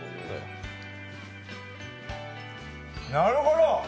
なるほど！